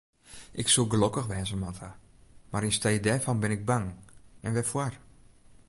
Ik soe gelokkich wêze moatte, mar yn stee dêrfan bin ik bang, en wêrfoar?